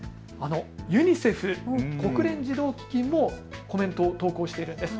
ユニセフ・国連児童基金もコメントを投稿しているんです。